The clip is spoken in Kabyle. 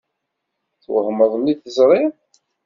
Twehmeḍ mi tt-teẓṛiḍ?